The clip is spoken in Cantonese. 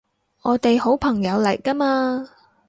我哋好朋友嚟㗎嘛